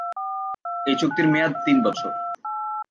এই চুক্তির মেয়াদ তিন বছর।